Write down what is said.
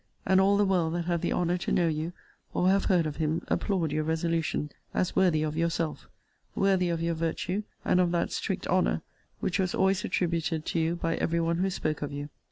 And all the world that have the honour to know you, or have heard of him, applaud your resolution, as worthy of yourself; worthy of your virtue, and of that strict honour which was always attributed to you by every one who spoke of you.